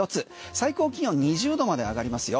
最高気温２０度まで上がりますよ。